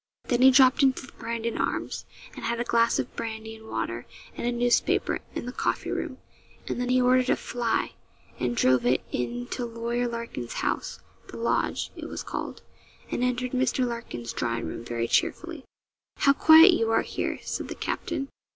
Then he dropped into the 'Brandon Arms,' and had a glass of brandy and water, and a newspaper, in the coffee room; and then he ordered a 'fly,' and drove in it to Lawyer Larkin's house 'The Lodge,' it was called and entered Mr. Larkin's drawing room very cheerfully. 'How quiet you are here,' said the captain.